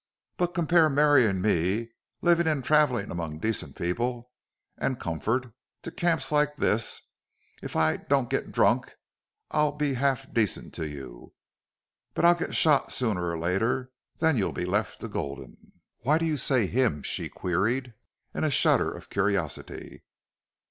But compare marrying me, living and traveling among decent people and comfort, to camps like this. If I don't get drunk I'll be half decent to you. But I'll get shot sooner or later. Then you'll be left to Gulden." "Why do you say HIM?" she queried, in a shudder of curiosity.